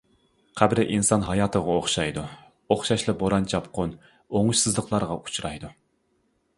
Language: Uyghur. قەبرە ئىنسان ھاياتىغا ئوخشايدۇ، ئوخشاشلا بوران-چاپقۇن، ئوڭۇشسىزلىقلارغا ئۇچرايدۇ.